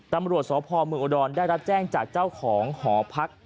ตำรวจสบมอได้รับแจ้งจากเจ้าของหอพัก